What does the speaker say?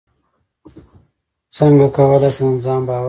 څنګه کولی شم د ځان باور لوړ کړم